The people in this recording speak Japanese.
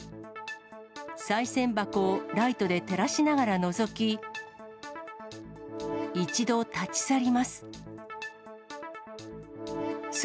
さい銭箱をライトで照らしながらのぞき、一度、立ち去ります。